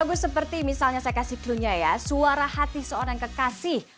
lagu seperti misalnya saya kasih klunya ya suara hati seorang yang kekasih